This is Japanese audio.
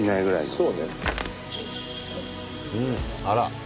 あら。